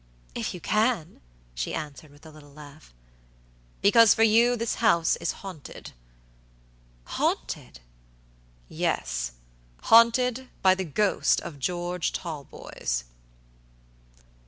"If you can," she answered, with a little laugh. "Because for you this house is haunted." "Haunted?" "Yes, haunted by the ghost of George Talboys."